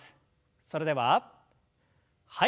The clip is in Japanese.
それでははい。